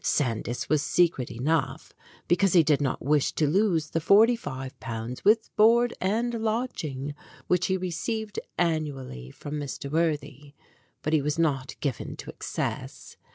Sandys was secret enough, because he did not wish to lose the forty five pounds, with board and lodging, which he received annually from Mr. Worthy ; but he was not given to excess.